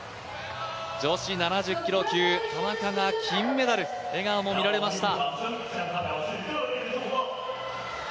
女子７０キロ級、田中が金メダル、笑顔も見られました。